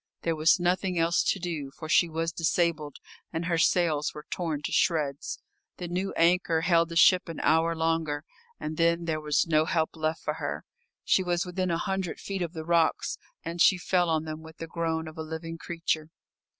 There was nothing else to do, for she was disabled, and her sails were torn to shreds. The new anchor held the ship an hour longer, and then there was no help left for her. She was within a hundred feet of the rocks, and she fell on them with the groan of a living creature.